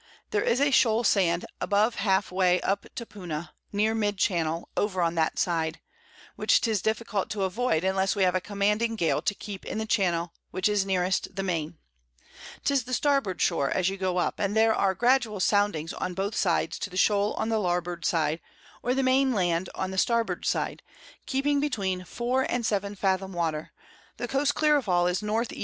There is a Shole Sand above half Way up to Puna, near mid Channel, over on that side, which 'tis difficult to avoid, unless we have a commanding Gale to keep in the Channel which is nearest the Main; 'tis the Starboard Shore as you go up, and there are gradual Soundings on both sides to the Shoal on the Larboard side, or the main Land on the Starboard side, keeping between 4 and 7 Fathom Water; the Coast clear of all is N. E.